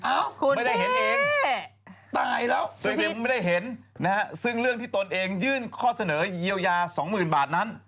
เอ้าคุณพี่ตายแล้วสวัสดีครับไม่ได้เห็นเองซึ่งเรื่องที่ตนเองยื่นข้อเสนอยเยียวยา๒๐๐๐๐บาทนั้น